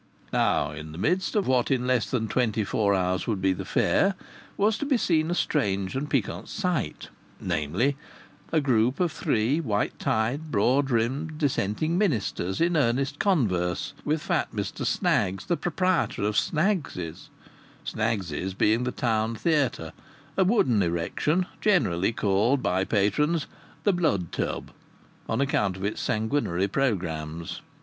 Now, in the midst of what in less than twenty four hours would be the Fair, was to be seen a strange and piquant sight namely, a group of three white tied, broad brimmed dissenting ministers in earnest converse with fat Mr Snaggs, the proprietor of Snaggs's Snaggs's being the town theatre, a wooden erection, generally called by patrons the "Blood Tub," on account of its sanguinary programmes.